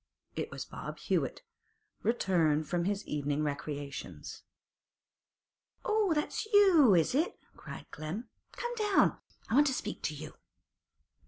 It was Bob Hewett, returned from his evening recreations. 'Oh, that's you, is it?' cried Clem. 'Come down; I want to speak to you.